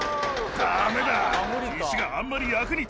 ダメだ。